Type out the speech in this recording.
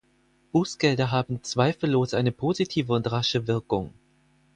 Bußgelder haben zweifellos eine positive und rasche Wirkung.